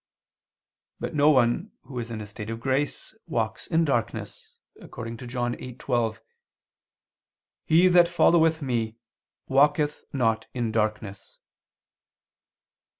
But no one who is in a state of grace walks in darkness, according to John 8:12: "He that followeth Me, walketh not in darkness."